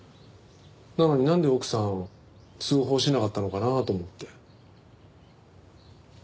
なのになんで奥さん通報しなかったのかなと思って。